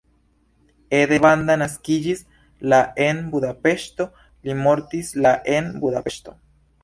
Ede Banda naskiĝis la en Budapeŝto, li mortis la en Budapeŝto.